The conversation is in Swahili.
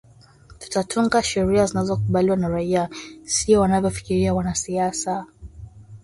tutatunga sheria zinazokubaliwa na raia sio wanavyofikiria wanasiasa